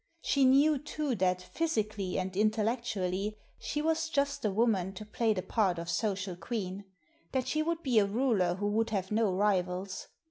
She knew, too, that, physically and in tellectually, she was just the woman to play the part of social queen — that she would be a ruler who would have no rivals.